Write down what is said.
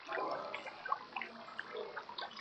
其名称来源于属于易洛魁联盟的奥农多加人。